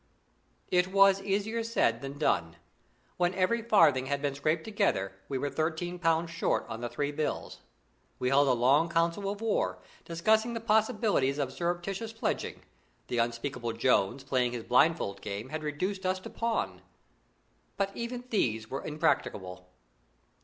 It was easier said than done. When every farthing had been scraped together, we were thirteen pounds short on the three bills. We held a long council of war, discussing the possibilities of surreptitious pledging the unspeakable Jones, playing his blindfold game, had reduced us to pawn but even these were impracticable.